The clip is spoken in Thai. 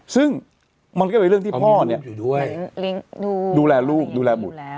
ซึ่งมันก็เป็นเรื่องที่พ่อดูแลลูกดูแลบุตรแล้ว